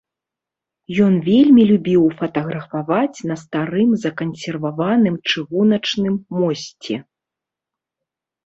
Ён вельмі любіў фатаграфаваць на старым закансерваваным чыгуначным мосце.